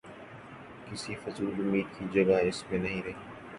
کسی فضول امید کی جگہ اس میں نہیں رہی۔